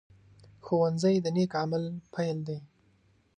ښوونځی د نیک عمل پيل دی